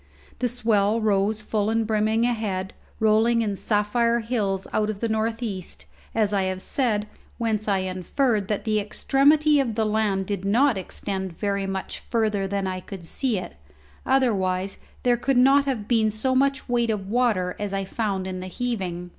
The swell rose full and brimming ahead, rolling in sapphire hills out of the north east, as I have said, whence I inferred that that extremity of the land did not extend very much further than I could see it, otherwise there could not have been so much weight of water as I found in the heaving.